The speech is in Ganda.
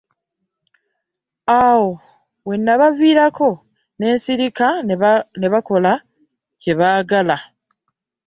Awo we nabiviirako ne nsirika ne bakola kye baagala.